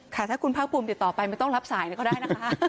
ค่ะถ้าคุณภาคภูมิติดต่อไปไม่ต้องรับสายเลยก็ได้นะคะ